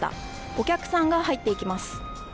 お客さんが入っていきます。